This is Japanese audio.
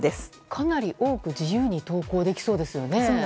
かなり多く自由に投稿できそうですよね。